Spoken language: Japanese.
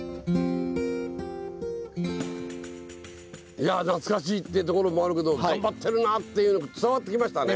いや懐かしいってところもあるけど頑張ってるなっていうのが伝わってきましたね。